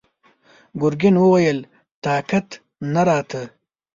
ګرګين وويل: طاقت نه راته!